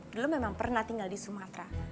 dulu memang pernah tinggal di sumatera